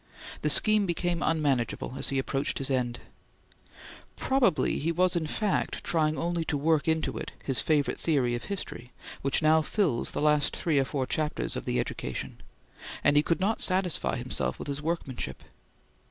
The scheme became unmanageable as he approached his end. Probably he was, in fact, trying only to work into it his favorite theory of history, which now fills the last three or four chapters of the "Education," and he could not satisfy himself with his workmanship.